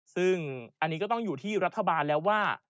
ซึ่งอันนี้ก็ต้องอยู่ที่รัฐบาลแล้วว่า